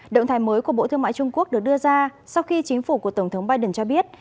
động thái mới của bộ thương mại trung quốc được đưa ra sau khi chính phủ của tổng thống biden cho biết